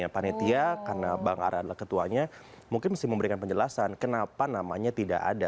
panitia karena bang ara adalah ketuanya mungkin mesti memberikan penjelasan kenapa namanya tidak ada